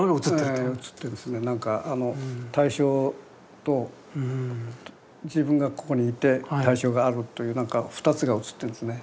対象と自分がここにいて対象があるという何か２つが写ってるんですね。